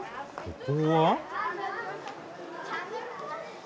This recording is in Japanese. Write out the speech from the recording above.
ここは？